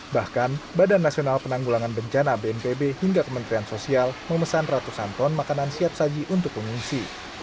bahkan badan nasional penanggulangan bencana bnpb hingga kementerian sosial memesan ratusan ton makanan siap saji untuk pengungsi